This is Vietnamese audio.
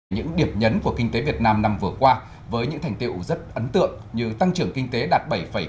những điểm nhấn của kinh tế việt nam năm vừa qua với những thành tiêu ủ rất ấn tượng như tăng trưởng kinh tế đạt bảy hai